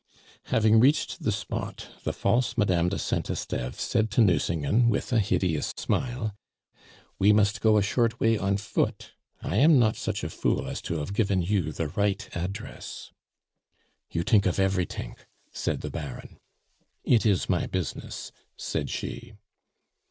Having reached the spot, the false Madame de Saint Esteve said to Nucingen with a hideous smile: "We must go a short way on foot; I am not such a fool as to have given you the right address." "You tink of eferytink!" said the baron. "It is my business," said she.